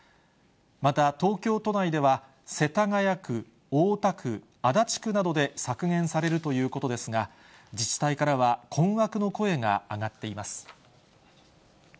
また東京都内では、世田谷区、大田区、足立区などで削減されるということですが、自治体からは困惑の声が上がっています。